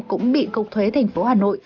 cũng bị cục thuế tp hcm